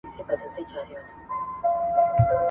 بیا به ښکلی کندهار وي نه به شیخ نه به اغیار وي !.